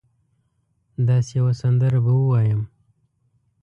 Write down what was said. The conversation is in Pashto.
داسي یوه سندره به ووایم